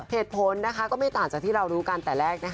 เหตุผลก็ไม่ต่างจากที่เรารู้กันแต่แรก